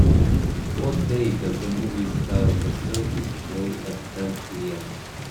what day does the movie Star of the Circus play at ten PM